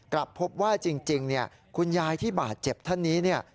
กลับพบว่าจริงคุณยายที่บาดเจ็บท่านนี้เนี่ย